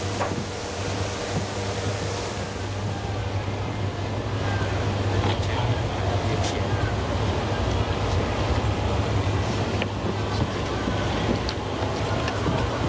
สุดท้ายสุดท้ายสุดท้าย